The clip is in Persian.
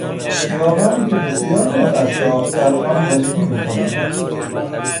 خیابانی که بسیاری از اشراف در آن زندگی میکنند.